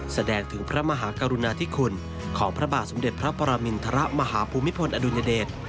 แสดงถึงพระมหากรุณาธิคุณของพระบาทสมเด็จพระปรมินทรมาฮภูมิพลอดุญเดช